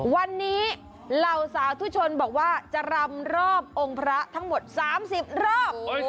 วันนี้เหล่าสาธุชนบอกว่าจะรำรอบองค์พระทั้งหมด๓๐รอบ